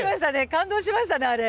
感動しましたねあれ。